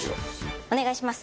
お願いします。